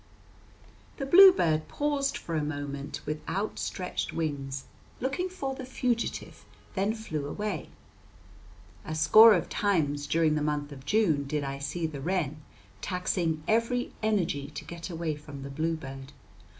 The bluebird paused for a moment with outstretched wings looking for the fugitive, then flew away. A score of times during the month of June did I see the wren taxing every energy to get away from the bluebird.